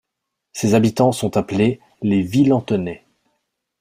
Ses habitants sont appelés les Villantonais.